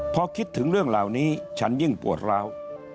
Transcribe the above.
พอคิดถึงเรื่องเหล่านี้ฉันยิ่งปวดร้าว